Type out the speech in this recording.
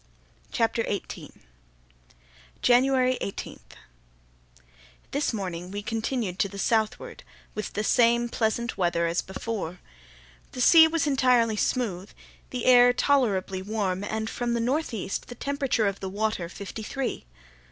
CHAPTER 18 January 18.—This morning {*4} we continued to the southward, with the same pleasant weather as before. The sea was entirely smooth, the air tolerably warm and from the northeast, the temperature of the water fifty three.